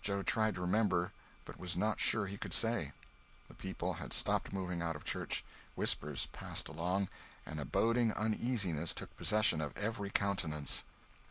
Joe tried to remember, but was not sure he could say. The people had stopped moving out of church. Whispers passed along, and a boding uneasiness took possession of every countenance.